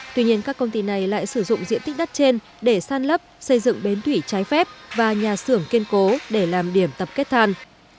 tuy nhiên các công ty này lại sử dụng diện tích đất trên để san lấp xây dựng bến thủy trái phép và nhà xưởng kiên cố để làm điểm tập kết than